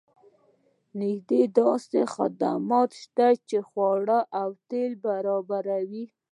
نږدې داسې خدمات شته چې خواړه او تیل برابروي